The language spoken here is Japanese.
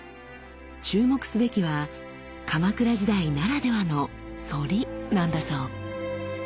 注目すべきは鎌倉時代ならではの「反り」なんだそう。